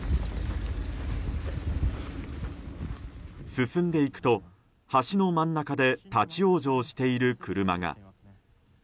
進んでいくと、橋の真ん中で立ち往生している車が。